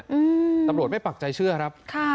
อืมตำรวจไม่ปักใจเชื่อครับค่ะ